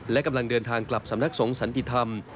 และกำลังเดินทางกลับสำนักสงสันติธรรม